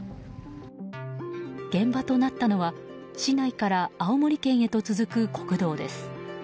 現場となったのは市内から青森県へと続く国道です。